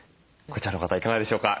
こちらの方いかがでしょうか？